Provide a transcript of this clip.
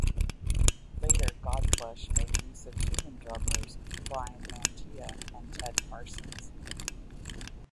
Later, Godflesh made use of human drummers Bryan Mantia and Ted Parsons.